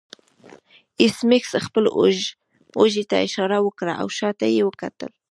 ایس میکس خپل اوږې ته اشاره وکړه او شاته یې وکتل